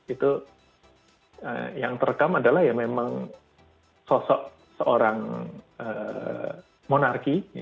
itu yang terekam adalah ya memang sosok seorang monarki